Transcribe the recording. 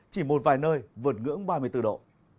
chỉ một vài nơi vượt ngưỡng ba mươi bốn độ